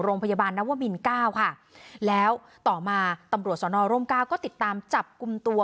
โรงพยาบาลนวมินเก้าค่ะแล้วต่อมาตำรวจสอนอร่มเก้าก็ติดตามจับกลุ่มตัว